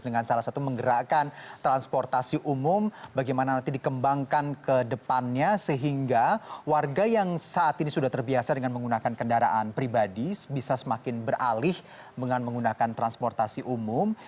dengan salah satu menggerakkan transportasi umum bagaimana nanti dikembangkan ke depannya sehingga warga yang saat ini sudah terbiasa dengan menggunakan kendaraan pribadi bisa semakin beralih dengan menggunakan transportasi umum